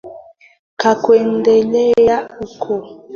K kuendelea huku nchini kwao anasema kwamba hile gazeti la sunday times